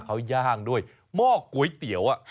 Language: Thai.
เขาย่างด้วยหม้อก๋วยเตี๋ยว